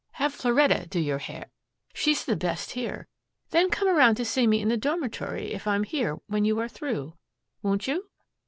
Have Floretta do your hair. She's the best here. Then come around to see me in the dormitory if I'm here when you are through, won't you?"